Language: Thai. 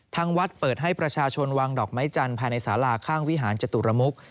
ทางวัดเปิดให้ประชาชนวางดอกไม้จันทร์ภายในสาราข้างวิหารจตุรมุก